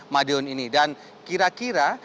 madiun ini dan kira kira